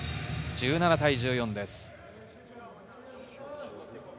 １７対１４です。